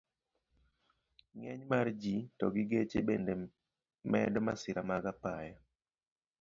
Ng'eny mar ji to gi geche bende medo masira mag apaya.